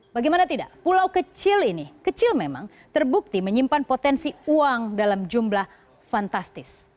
bagaimana tidak pulau kecil ini kecil memang terbukti menyimpan potensi uang dalam jumlah fantastis